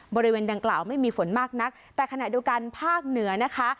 บริเวณดังกล่าวไม่มีฝนมากนักแต่ขณะเดียวกันภาคเหนือนะคะ